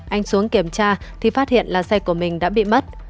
anh xuống kiểm tra thì phát hiện là xe của mình đã bị mất